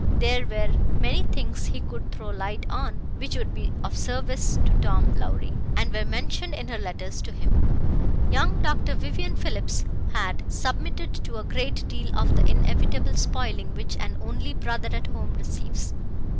There were many things he could throw light on which would be of service to Tom Lowrie, and were mentioned in her letters to him. Young Dr. Vivian Phillips had submitted to a great deal of the inevitable spoiling which an only brother at home receives.